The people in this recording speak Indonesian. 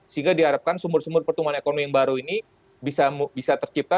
sehingga diharapkan sumur sumur pertumbuhan ekonomi yang baru ini bisa tercipta